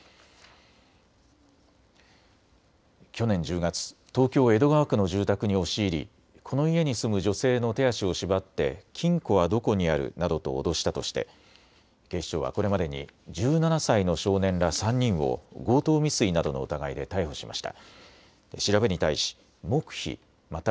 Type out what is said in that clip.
去年１０月、東京江戸川区の住宅に押し入り、この家に住む女性の手足を縛って金庫はどこにあるなどと脅したとして警視庁はこれまでに１７歳の少年ら３人を強盗未遂などの疑いで逮捕しました。